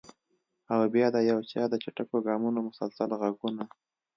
او بیا د یو چا د چټکو ګامونو مسلسل غږونه!